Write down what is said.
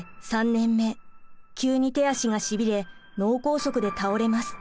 急に手足がしびれ脳梗塞で倒れます。